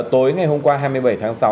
tối ngày hôm qua hai mươi bảy tháng sáu